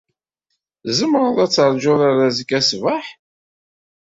Tzemreḍ ad terjuḍ ar azekka ṣṣbeḥ?